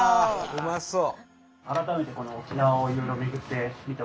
うまそう。